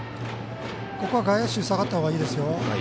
外野手下がったほうがいいですよ。